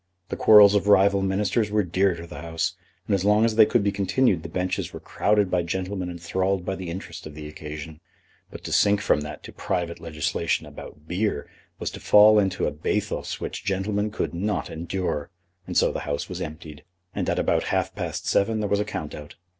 The quarrels of rival Ministers were dear to the House, and as long as they could be continued the benches were crowded by gentlemen enthralled by the interest of the occasion. But to sink from that to private legislation about beer was to fall into a bathos which gentlemen could not endure; and so the House was emptied, and at about half past seven there was a count out.